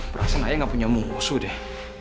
perasaan ayah nggak punya musuh deh